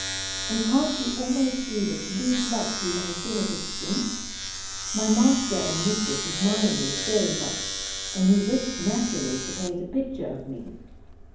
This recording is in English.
And can't you almost see the blue blood through my delicate skin ? My Master and Mistress admire me very much, and he wished naturally to paint a picture of me.